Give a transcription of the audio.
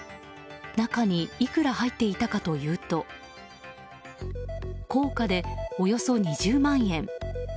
中にいくら入っていたかというと硬貨でおよそ２０万円。